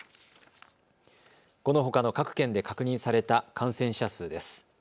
このほかの各県で確認された感染者数です。